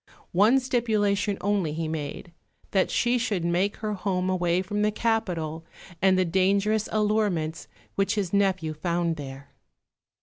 One stipulation only he made, that she should make her home away from the capital and the dangerous allurements which his nephew found there.